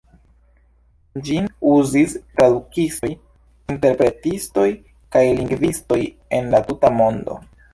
Ĝin uzis tradukistoj, interpretistoj kaj lingvistoj en la tuta mondo.